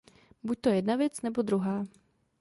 Buďto jedna věc nebo druhá.